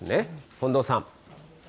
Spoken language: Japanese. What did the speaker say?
近藤さん。